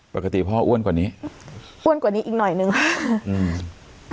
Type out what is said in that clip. ปกติพ่ออ้วนกว่านี้อ้วนกว่านี้อีกหน่อยหนึ่งค่ะอืม